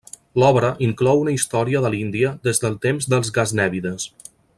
L'obra inclou una història de l'Índia des del temps dels gaznèvides.